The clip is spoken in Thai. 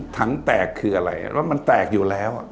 ถังแตกคืออะไรรถมันแตกอยู่แล้ว